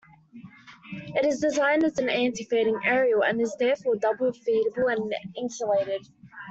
It is designed as an antifading aerial and is therefore double-feedable and insulated.